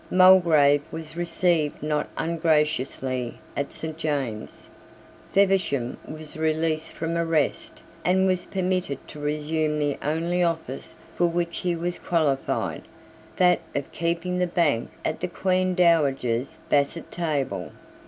Mulgrave was received not ungraciously at St. James's. Feversham was released from arrest, and was permitted to resume the only office for which he was qualified, that of keeping the bank at the Queen Dowager's basset table.